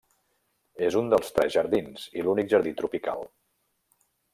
És un dels tres jardins, i l'únic jardí tropical.